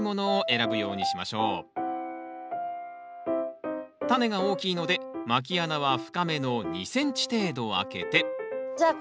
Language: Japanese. なるべくタネが大きいのでまき穴は深めの２ｃｍ程度開けてじゃあ